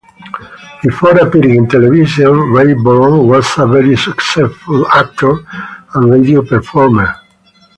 Before appearing in television, Rayburn was a very successful actor and radio performer.